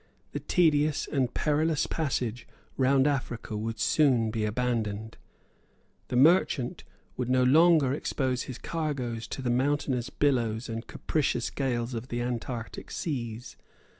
The tedious and perilous passage round Africa would soon be abandoned. The merchant would no longer expose his cargoes to the mountainous billows and capricious gales of the Antarctic seas.